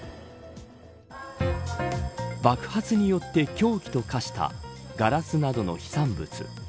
爆発によって凶器と化したガラスなどの飛散物。